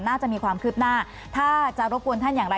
น่าจะมีความคืบหน้าถ้าจะรบกวนท่านอย่างไร